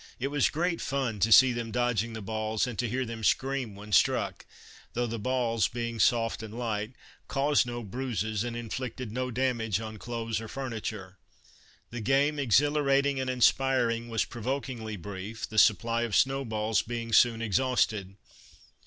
It was great fun to see them dodging the balls and to hear them scream when struck, though the balls, being soft and light, caused no bruises and inflicted no damage on clothes or furniture. The game, exhilarating and inspiring, was provokingly brief, the supply of snow balls being soon exhausted.